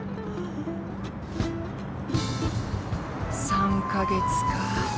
３か月か。